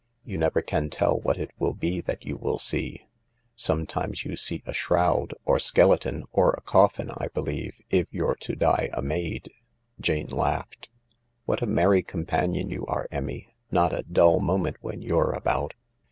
You never can tell what it will be that you see. Sometimes you see a shroud, or skeleton, or a coffin, I believe, if you're to die a maid." Jane laughed. 11 What a merry companion you are, Emmy ; not a dull moment when you're about